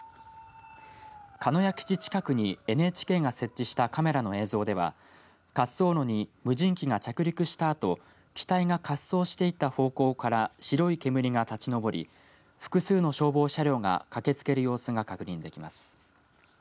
鹿屋基地近くにＮＨＫが設置したカメラの映像では滑走路に無人機が着陸したあと機体が滑走していった方向から白い煙が立ち上り複数の消防車両が駆けつける様子が確認できます。